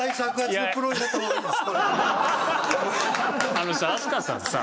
あのさ飛鳥さんさ